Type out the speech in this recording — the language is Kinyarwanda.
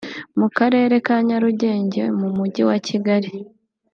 mu Karere ka Nyarugenge mu Mujyi wa Kigali